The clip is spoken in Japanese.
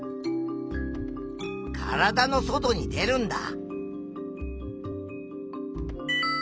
体の外に出るんだ。